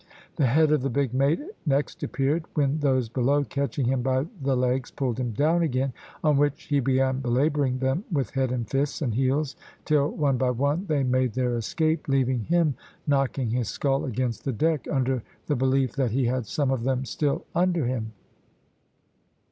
The head of the big mate next appeared, when those below catching him by the legs pulled him down again, on which he began belabouring them with head and fists and heels till one by one they made their escape, leaving him knocking his skull against the deck, under the belief that he had some of them still under him.